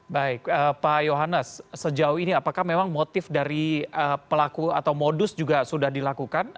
baik pak yohanes sejauh ini apakah memang motif dari pelaku atau modus juga sudah dilakukan